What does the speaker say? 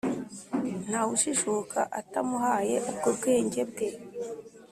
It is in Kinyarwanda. Nta wujijuka atamuhaye ubwo bwenge bwe